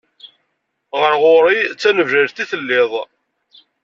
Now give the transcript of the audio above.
Ɣer ɣur-i d taneblalt i telliḍ.